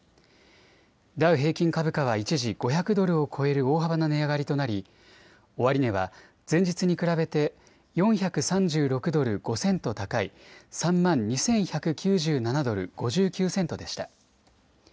ダウ平均株価は一時５００ドルを超える大幅な値上がりとなり終値は前日に比べて４３６ドル５セント高い３万２１９７ドル５９セントでした。